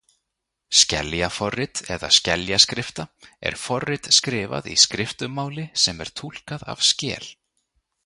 Skeljaforrit eða skeljaskrifta er forrit skrifað í skriftumáli sem er túlkað af skel.